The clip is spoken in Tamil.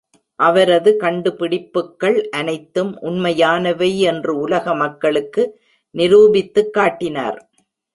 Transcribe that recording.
அவரது கண்டு பிடிப்புக்கள் அனைத்தும் உண்மையானவை என்று உலக மக்களுக்கு நிரூபித்துக் காட்டினார்!